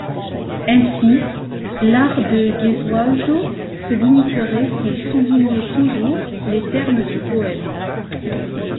Ainsi, l'art de Gesualdo se limiterait s'il soulignait toujours les termes du poème.